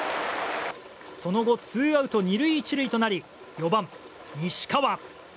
その後ツーアウト２塁１塁となり４番、西川。